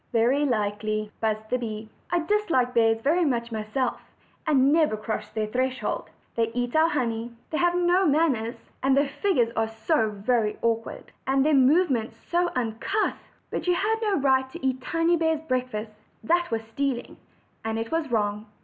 "Very likely," buzzed the bee; "I dislike bears very much myself, and never cross their threshold. They eat our honey, and have no manners; and then their figures are so very awkward, and their movements so uncouth! But you had no right to eat Tiny bear's breakfast that was stealing, and it was wrong.